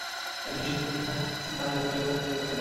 একজন শিক্ষক তিন হাজার থেকে পাঁচ হাজার টাকা পর্যন্ত বেতন পেতেন।